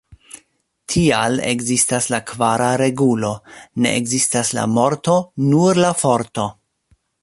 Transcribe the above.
Tial ekzistas la kvara regulo: "Ne ekzistas la morto, nur la Forto".